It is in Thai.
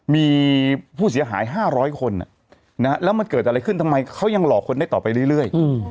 มีผู้เสียหาย๕๐๐คนแล้วมันเกิดอะไรขึ้นทำไมเขายังหลอกคนได้ต่อไปเรื่อย